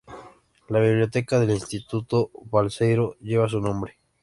La biblioteca del Instituto Balseiro lleva su nombre.